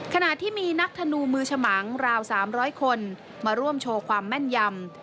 ขณะที่มีนักธนูมือฉมังราว๓๐๐คนมาร่วมโชว์ความแม่นยำ